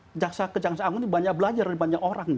kejaksaan agung ini banyak belajar dari banyak orang